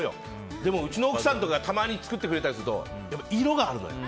でもうちの奥さんがたまに作ってくれたりするとやっぱり色があるのよ。